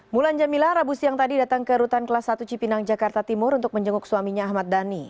mulan jamila rabu siang tadi datang ke rutan kelas satu cipinang jakarta timur untuk menjenguk suaminya ahmad dhani